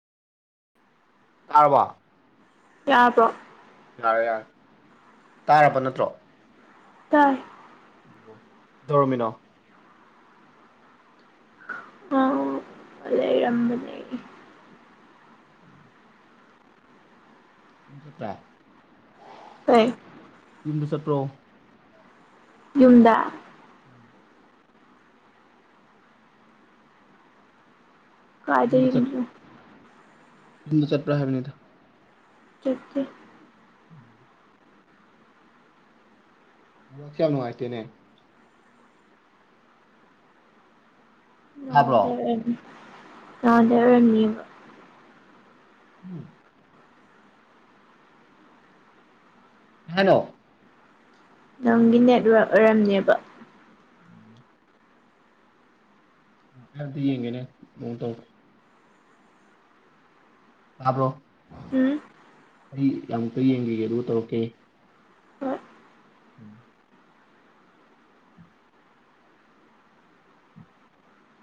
ꯇꯥꯔꯕꯣ ꯌꯥꯕ꯭ꯔꯣ ꯌꯥꯔꯦ ꯌꯥꯔꯦ ꯇꯥꯔꯕ ꯅꯠꯇ꯭ꯔꯣ ꯇꯥꯏ ꯇꯧꯔꯝꯃꯤꯅꯣ ꯑꯪ ꯂꯩꯔꯝꯕꯅꯦ [inaudible] ꯑꯗꯨꯝ ꯆꯠꯇꯥꯏ ꯇꯥꯏ ꯌꯨꯝꯗ ꯆꯠꯄ꯭ꯔꯣ ꯌꯨꯝꯗ [inaudible] ꯀ꯭ꯔꯥꯗꯩ ꯌꯨꯝꯗ ꯆꯠ ꯌꯩꯝꯗꯅꯣ ꯌꯨꯝꯗ ꯆꯠꯄ꯭ꯔ ꯍꯥꯏꯕꯅꯤꯗ ꯆꯠꯇꯦ [inaudible] ꯅꯦꯠꯋꯥꯔꯛꯁꯦ ꯌꯥꯝ ꯅꯨꯡꯉꯥꯏꯇꯦꯅꯦ ꯑꯣ ꯇꯥꯕ꯭ꯔꯣ ꯑꯗ꯭ꯋꯥꯏ ꯑꯣꯏꯔꯝꯅꯤ ꯅꯍꯥꯟꯗꯩ ꯑꯣꯏꯔꯝꯅꯤꯕ ꯍꯨꯝ ꯍꯜꯂꯣ ꯅꯪꯒꯤ ꯅꯦꯠꯋꯥꯔꯛ ꯑꯣꯏꯔꯝꯅꯦꯕ [unintelligible] ꯈꯔꯗꯤ ꯌꯦꯡꯒꯤꯅꯤ [unintelligible] ꯇꯧꯔꯣꯏ ꯇꯥꯕ꯭ꯔꯣ ꯎꯝ ꯑꯩ ꯌꯥꯝꯃꯨꯛꯇ ꯌꯦꯡꯒꯤꯒꯦ ꯑꯗꯨꯒ ꯇꯧꯔꯛꯀꯦ ꯍꯣꯏ ꯎꯝ